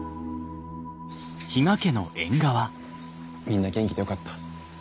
みんな元気でよかった。